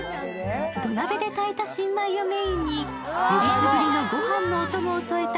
土鍋で炊いた新米をメインにえりすぐりのご飯のお供を添えた